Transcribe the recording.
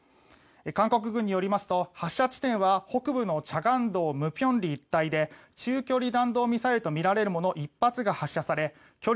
韓国軍によりますと発射地点は北部の慈江道舞坪里一帯で中距離弾道ミサイルとみられるもの１発が発射され